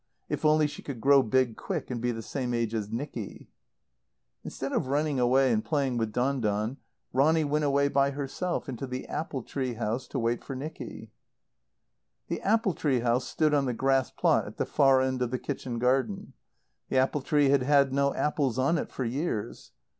If only she could grow big quick and be the same age as Nicky. Instead of running away and playing with Don Don, Ronny went away by herself into the apple tree house, to wait for Nicky. The apple tree house stood on the grass plot at the far end of the kitchen garden. The apple tree had had no apples on it for years.